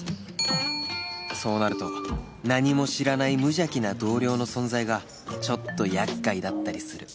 そうなると何も知らない無邪気な同僚の存在がちょっと厄介だったりする